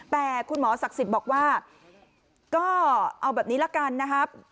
แต่คุณหมอศักดิ์สิทธิ์บอกว่าก็เอาแบบนี้ละกันนะครับ